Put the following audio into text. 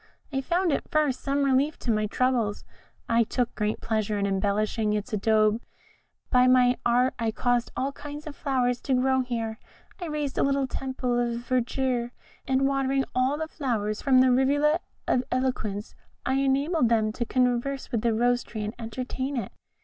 I found at first some relief to my troubles; I took great pleasure in embellishing its abode; by my art I caused all kinds of flowers to grow here; I raised a little temple of verdure, and watering all the flowers from the Rivulet of Eloquence, I enabled them to converse with the Rose tree and entertain it.